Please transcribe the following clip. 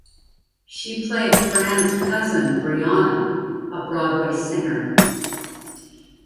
She played Fran's cousin Brianna, a Broadway singer.